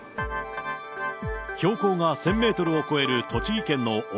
標高が１０００メートルを超える栃木県の奥